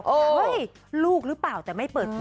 เฮ้ยลูกหรือเปล่าแต่ไม่เปิดเผย